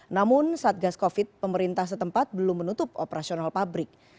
namun satgas covid pemerintah setempat belum menutup operasional pabrik